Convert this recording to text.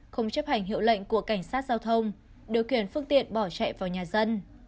không chấp hành hiệu lệnh của cảnh sát giao thông điều khiển phương tiện bỏ chạy vào nhà dân